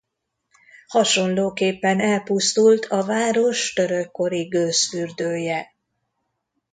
Hasonlóképpen elpusztult a város török kori gőzfürdője.